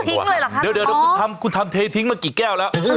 เททิ้งเลยหรอครับเดี๋ยวเดี๋ยวเดี๋ยวคุณทำคุณทำเททิ้งมากี่แก้วแล้ว